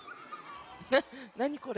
なにこれ？